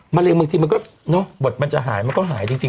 มะเร็งบางทีมันก็เนอะมันก็หายจริง